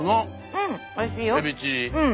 うん。